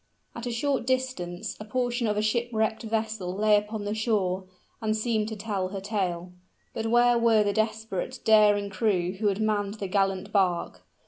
At a short distance, a portion of a shipwrecked vessel lay upon the shore, and seemed to tell her tale. But where were the desperate, daring crew who had manned the gallant bark?